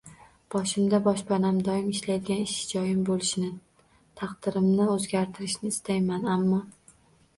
Boshimda boshpanam, doimiy ishlaydigan ish joyim bo`lishini, taqdirimni o`zgartirishni istayman, ammo